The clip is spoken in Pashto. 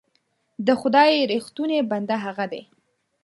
د خدای رښتونی بنده هغه دی.